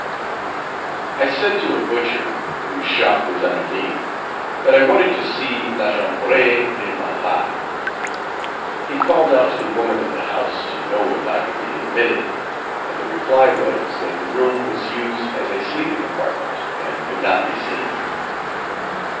I said to a butcher, whose shop was underneath, that I wanted to see La Chambre de Marat. He called out to the woman of the house to know if I could be admitted, and the reply was, that the room was used as a sleeping apartment, and could not be seen.